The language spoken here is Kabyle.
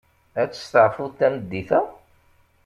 Ad testufuḍ tameddit-a?